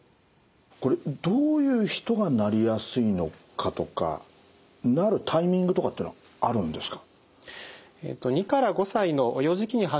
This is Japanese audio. これどういう人がなりやすいのかとかなるタイミングとかってのはあるんですか？